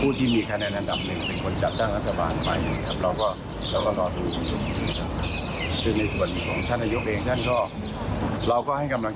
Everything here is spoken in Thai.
ผู้เอกประยุทธ์เอายังไงผมก็เอาแบบนั้น